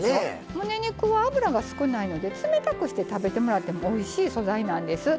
むね肉は脂が少ないので冷たくして食べてもらってもおいしい素材なんです。